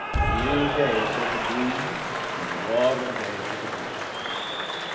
An ill day for the groom And a waur day for the bride."